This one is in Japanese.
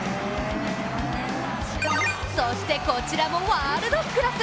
そしてこちらもワールドクラス！